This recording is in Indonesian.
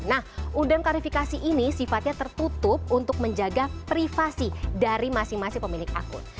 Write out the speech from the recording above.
nah undang klarifikasi ini sifatnya tertutup untuk menjaga privasi dari masing masing pemilik akun